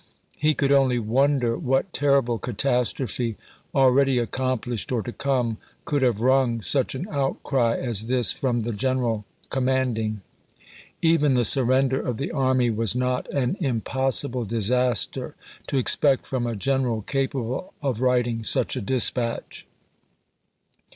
He could only wonder what terrible catastrophe, already accomplished or to come, could have wrung such an outcry as this from the general command ing. Even the sui'render of the army was not an impossible disaster to expect from a general capable of writing such a dispatch.